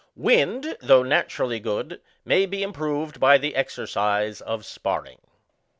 Wind, though naturally good, may be improved by the exercise of sparring.